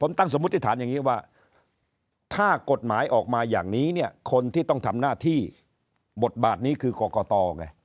ตั้งสมมุติฐานอย่างนี้ว่าถ้ากฎหมายออกมาอย่างนี้เนี่ยคนที่ต้องทำหน้าที่บทบาทนี้คือกรกตไง